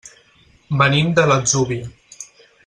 Venim de l'Atzúvia.